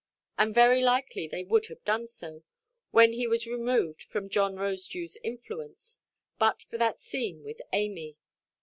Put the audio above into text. And very likely they would have done so, when he was removed from John Rosedewʼs influence, but for that scene with Amy.